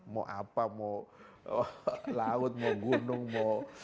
mau apa mau laut mau gunung mau